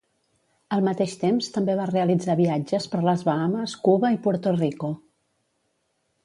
Al mateix temps també va realitzar viatges per les Bahames, Cuba i Puerto Rico.